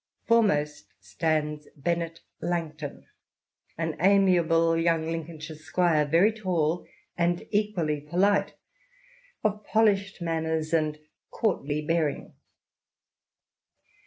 Foremost stands Bennet Langto n. an amiable young Lincolnshire squire, very tall and equally polite, of polished manners and INTRODUCTION. xxi courtly bearing.